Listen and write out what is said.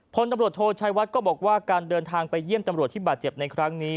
พลตำรวจโทชัยวัดก็บอกว่าการเดินทางไปเยี่ยมตำรวจที่บาดเจ็บในครั้งนี้